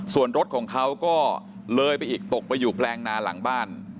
ส่วนรถของเขาก็เลยไปอีกตกไปอยู่แปลงนาหลังบ้าน